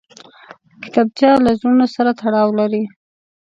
کتابچه له زړونو سره تړاو لري